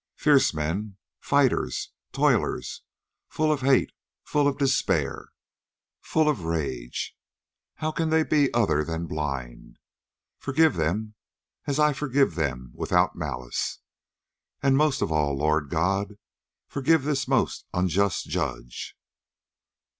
Fierce men, fighters, toilers, full of hate, full of despair, full of rage, how can they be other than blind? Forgive them, as I forgive them without malice. And most of all, Lord God, forgive this most unjust judge."